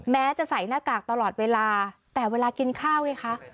แม้จะใส่หน้ากากตลอดเวลาแต่เวลากินข้าวไงคะ